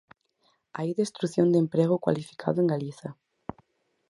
Hai destrución de emprego cualificado en Galiza.